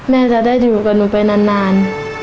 แม่จะได้อยู่กับหนูไปนาน